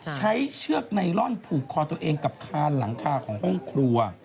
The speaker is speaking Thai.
เชือกไนลอนผูกคอตัวเองกับคานหลังคาของห้องครัว